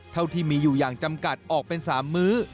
เท่าที่มีอยู่อย่างจำกัดออกเป็น๓มื้อ